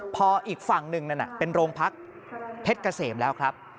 พออีกฝั่งหนึ่งนั้นเป็นโรงพักเพชรเกษมแล้วครับ